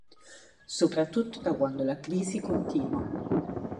Soprattutto da quando la crisi continua.